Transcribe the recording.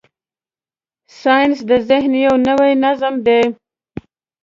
ساینس د ذهن یو نوی نظم دی.